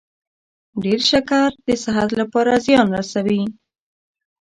ډیر شکر د صحت لپاره زیان رسوي.